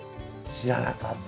知らなかった。